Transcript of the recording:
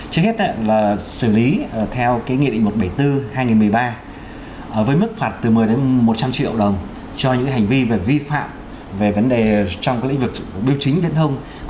trước hết là xử lý theo nghị định một trăm bảy mươi bốn hai nghìn một mươi ba với mức phạt từ một mươi đến một trăm linh triệu đồng cho những hành vi về vi phạm về vấn đề trong lĩnh vực biểu chính viễn thông